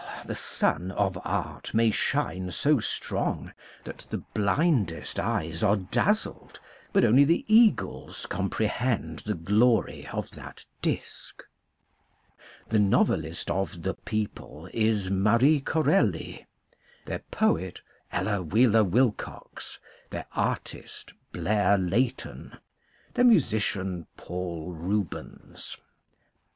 Well, the sun of art may shine so strong that the blindest eyes are dazzled, but only the eagles com prehend the glory of that disc. The novelist of the people is Marie Corelli, their poet Ella Wheeler Wilcox, their artist Blair Leighton, their musician Paul Rubens.